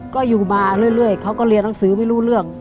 ก็อยู่มาเรื่อยเขาก็เรียนหนังสือไม่รู้เรื่อง